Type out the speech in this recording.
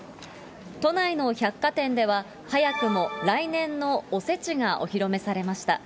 都内の百貨店では、早くも来年のおせちがお披露目されました。